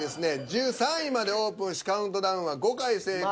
１３位までオープンしカウントダウンは５回成功。